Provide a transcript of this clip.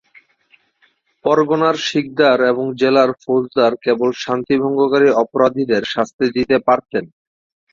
পরগনার সিকদার এবং জেলার ফৌজদার কেবল শান্তি ভঙ্গকারী অপরাধীদের শাস্তি দিতে পারতেন।